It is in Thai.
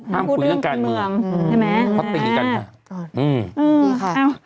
ห้ามคุยกับการเมืองเพราะเป็นเหมือนกันค่ะอืมดีค่ะ